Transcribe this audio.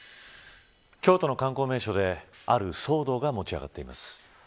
京都の観光名所である騒動が持ち上がっています。